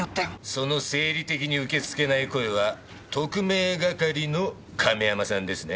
その生理的に受け付けない声は特命係の亀山さんですね？